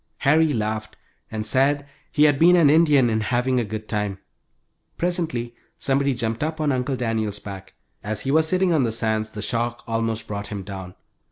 Harry laughed and said he had been an Indian in having a good time. Presently somebody jumped up on Uncle Daniel's back. As he was sitting on the sands the shock almost brought him down.